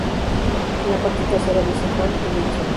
En la parte trasera dice "Fan Edition".